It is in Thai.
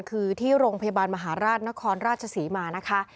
คือที่โรงพยาบาลมหาราชนครราชศรีมานะคะ